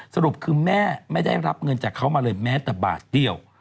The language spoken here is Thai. สรุปคือแม่ไม่ได้รับเงินจากเขามาเลยแม้แต่บาทเดียว